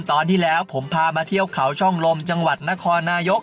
ตอนที่แล้วผมพามาเที่ยวเขาช่องลมจังหวัดนครนายก